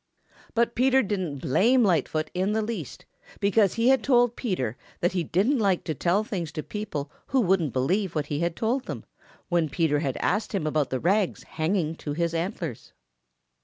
But Peter didn't blame Lightfoot in the least, because he had told Peter that he didn't like to tell things to people who wouldn't believe what he told them when Peter had asked him about the rags hanging to his antlers.